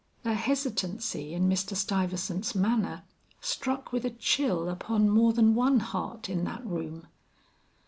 A hesitancy in Mr. Stuyvesant's manner, struck with a chill upon more than one heart in that room.